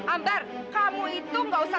ambar kamu itu gak usah